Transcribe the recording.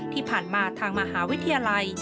ที่ผ่านมาทางมหาวิทยาลัย